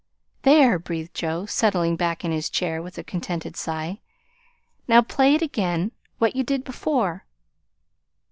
"There!" breathed Joe, settling back in his chair with a contented sigh. "Now, play it again what you did before."